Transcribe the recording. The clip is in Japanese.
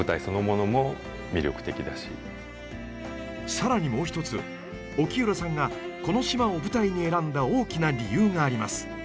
更にもう一つ沖浦さんがこの島を舞台に選んだ大きな理由があります。